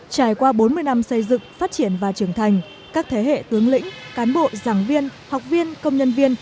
trải qua bốn mươi năm xây dựng phát triển và trưởng thành các thế hệ tướng lĩnh cán bộ giảng viên học viên công nhân viên